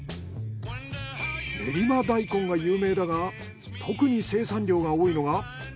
練馬大根が有名だが特に生産量が多いのが。